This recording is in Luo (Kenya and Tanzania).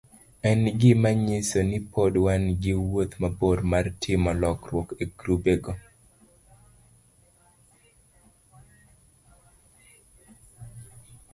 En gima nyiso ni pod wan gi wuoth mabor mar timo lokruok e grubego,